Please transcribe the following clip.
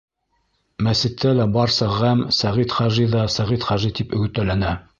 Мәсеттә лә барса ғәм, Сәғит хажи ҙа Сәғит хажи, тип өтәләнә.